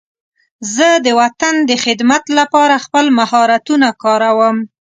زه د وطن د خدمت لپاره خپل مهارتونه کاروم.